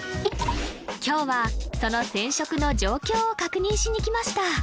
今日はその染色の状況を確認しに来ました